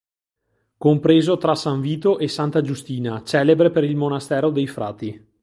Compreso tra San Vito e Santa Giustina celebre per il monastero dei frati.